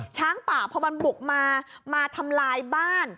ช้างป่าพอมันบุกมามาทำลายบ้าน